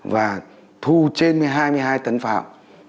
và thu trên hai mươi hai tấn pháo